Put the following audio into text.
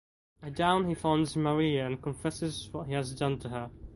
At dawn he finds Maria and confesses what he has done to her.